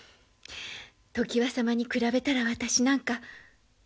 常磐様に比べたら私なんか。